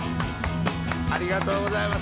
ありがとうございます。